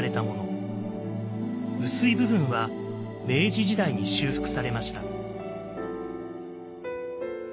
薄い部分は明治時代に修復されました。